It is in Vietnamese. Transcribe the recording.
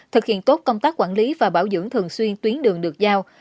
thực hiện tốt công tác quản lý và bảo dưỡng thường xuyên tuyến đường được giao